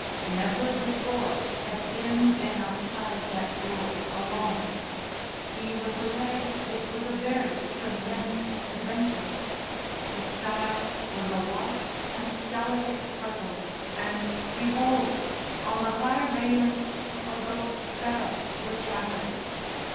Never before had Bim been outside that door alone; he was aware that this was a very tremendous adventure. The sky was a washed and delicate purple, and behold! on the high railings, a row of sparrows were chattering.